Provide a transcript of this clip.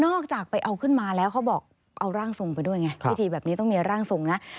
ออกไปเอาขึ้นมาแล้วเขาบอกเอาร่างทรงไปด้วยไงพิธีแบบนี้ต้องมีร่างทรงนะ